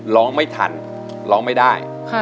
ร้องไม่ทันร้องไม่ได้